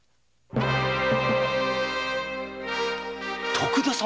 徳田様